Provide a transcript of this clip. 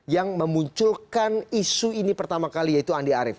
yang memunculkan isu ini pertama kali yaitu andi arief